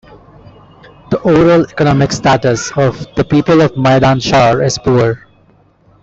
The overall economical status of the people of Maidan Shar is poor.